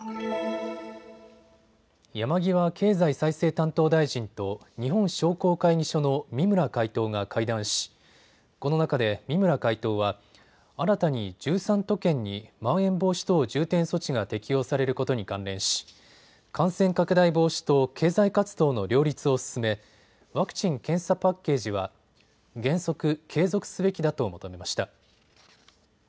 山際経済再生担当大臣と日本商工会議所の三村会頭が会談しこの中で三村会頭は新たに１３都県に、まん延防止等重点措置が適用されることに関連し、感染拡大防止と経済活動の両立を進めワクチン・検査パッケージは原則、継続すべきだと求めました。